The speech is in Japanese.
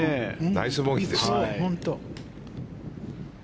ナイスボギーですよね。